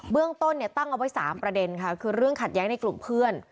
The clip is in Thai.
เรื่องต้นตั้งเอาไว้๓ประเด็นค่ะคือเรื่องขัดแย้งในกลุ่มเพื่อน